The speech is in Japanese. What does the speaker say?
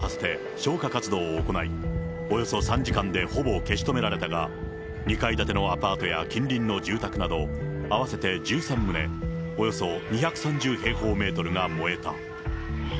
東京消防庁がポンプ車など３９台を出動させて消火活動を行い、およそ３時間でほぼ消し止められたが、２階建てのアパートや近隣の住宅など合わせて１３棟、およそ２３０平方メートルが燃えた。